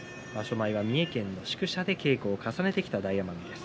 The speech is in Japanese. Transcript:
前は三重県の宿舎で稽古を重ねてきた大奄美です。